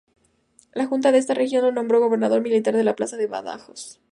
La Junta de esta región lo nombró gobernador militar de la plaza de Badajoz.